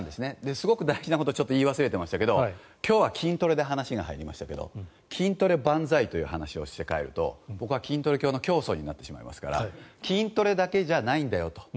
すごく大事なことを言い忘れていましたけど今日は筋トレで話が入りましたけど筋トレ万歳という話をして帰ると僕は筋トレ教の教祖になってしまうので筋トレだけじゃないんだよと。